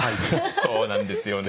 そうなんですよね。